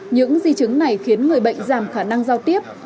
những di chứng này khiến người bệnh giảm khả năng giao tiếp